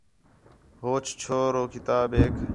ہوچ چھور ہو کتابیک